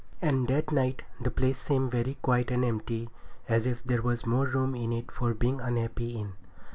And that night the place seemed very quiet and empty, as if there was more room in it for being unhappy in.